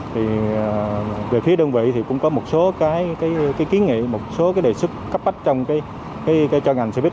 thì về phía đơn vị thì cũng có một số cái kiến nghị một số cái đề xuất cấp bách trong cái cho ngành xe buýt